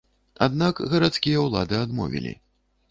Аднак гарадскія ўлады адмовілі.